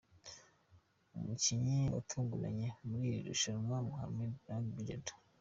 Umukinnyi watunguranye muri iri rushanwa : Mohammed Nagy "Gedo" .